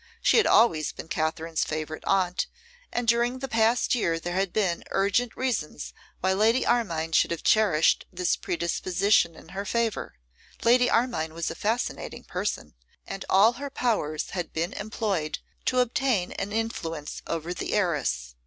She had always been Katherine's favourite aunt, and during the past year there had been urgent reasons why Lady Armine should have cherished this predisposition in her favour. Lady Armine was a fascinating person, and all her powers had been employed to obtain an influence over the heiress.